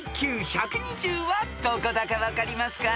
ＩＱ１２０はどこだか分かりますか？］